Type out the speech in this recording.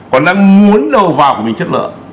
còn đang muốn đầu vào của mình chất lượng